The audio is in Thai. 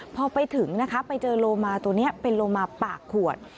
เมื่อไปถิ้งไปเจอโลมาตัวนี้เป็นโลมาปากขวด